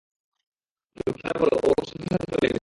দোকানদার বললো ও সাথে সাথে চলে গেছে।